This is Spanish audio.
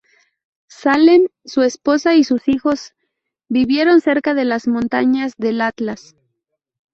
Salem, su esposa y sus hijos vivieron cerca de las Montañas del Atlas.